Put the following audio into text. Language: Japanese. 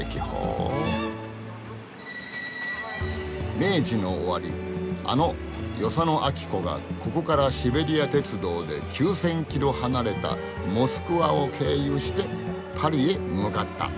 「明治の終わりあの与謝野晶子がここからシベリア鉄道で９，０００キロ離れたモスクワを経由してパリへ向かった」。